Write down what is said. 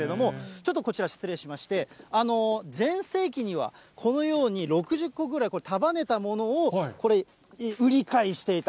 ちょっとこちら、失礼しまして、全盛期にはこのように６０個ぐらい束ねたものを、これ、売り買いしていた。